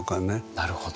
なるほど。